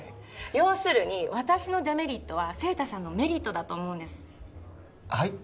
要するに私のデメリットは晴太さんのメリットだと思うんですはい？